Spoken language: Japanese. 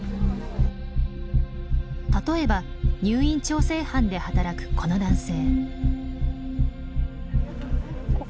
例えば入院調整班で働くこの男性。